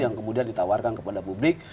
yang kemudian ditawarkan kepada publik